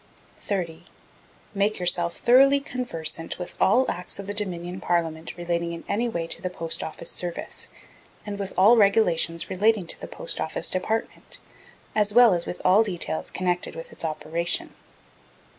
30. Make yourself thoroughly conversant with all Acts of the Dominion Parliament relating in any way to the Post Office Service, and with all regulations relating to the Post Office Department, as well as with all details connected with its operation.